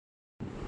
یہ بھی ہوسکتا ہے